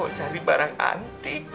mau cari barang antik